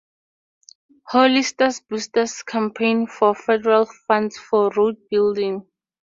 Hollister boosters campaigned for federal funds for road-building.